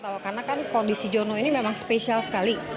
karena kan kondisi jono ini memang spesial sekali